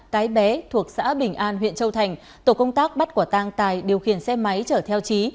cái bé thuộc xã bình an huyện châu thành tổ công tác bắt quả tang tài điều khiển xe máy chở theo trí